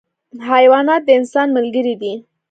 حیوانات د انسان ملګري دي.